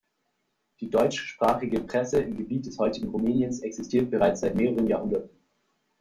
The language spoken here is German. Die deutschsprachige Presse im Gebiet des heutigen Rumäniens existiert bereits seit mehreren Jahrhunderten.